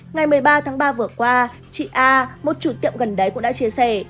ngày một mươi ba tháng ba vừa qua chị a một chủ tiệm gần đấy cũng đã chia sẻ